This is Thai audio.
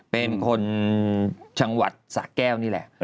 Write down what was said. เป็นคนจังหวัดสะแก้วนี่แหละ